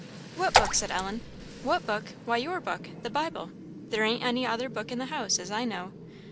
"What book?" said Ellen. "What book? why your book the Bible there ain't any other book in the house, as I know.